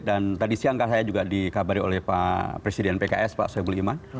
dan tadi siang kan saya juga dikabari oleh presiden pks pak soebub iman